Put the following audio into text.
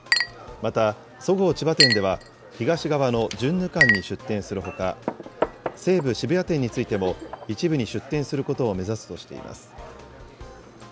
また、そごう千葉店では、東側のジュンヌ館に出店するほか、西武渋谷店についても、一部に出店することを目指すとしています。